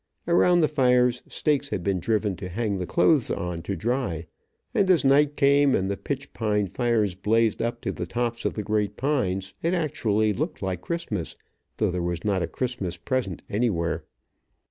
Around the fires stakes had been driven to hang clothes on to dry, and as night came and the pitch pine fires blazed up to the tops of the great pines, it actually looked like Christmas, though there was not a Christmas present anywhere.